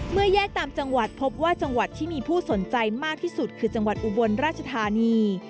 แยกตามจังหวัดพบว่าจังหวัดที่มีผู้สนใจมากที่สุดคือจังหวัดอุบลราชธานี